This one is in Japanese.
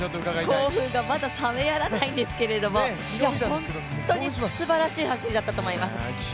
興奮がまだ冷めやらないんですけれども本当にすばらしい走りだったと思います。